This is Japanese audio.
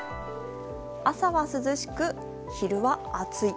朝は涼しく、昼は暑い。